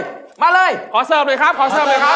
ขอเสิร์ฟหน่อยครับ